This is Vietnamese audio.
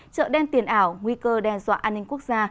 chợ đen tiền ảo nguy cơ đe dọa an ninh quốc gia